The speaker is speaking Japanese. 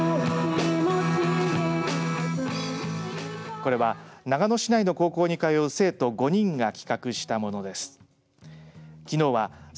これは長野市内の高校に通う生徒５人が企画したものです。